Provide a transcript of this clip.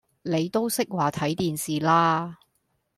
你都識話睇電視啦